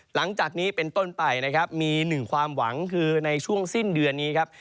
หลังจากนี้เป็นต้นไปนะครับมีหนึ่งความหวังคือในช่วงสิ้นเดือนนี้ครับ